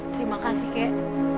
terima kasih kek